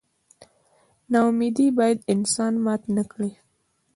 نا امیدي باید انسان مات نه کړي.